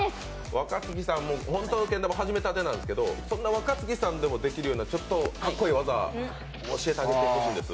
若槻さんけん玉始めたてなんですけど、若槻さんもできるようなちょっとかっこいい技教えてあげてほしいんです。